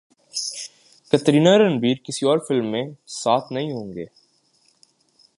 کترینہ رنبیر کسی اور فلم میں ساتھ نہیں ہوں گے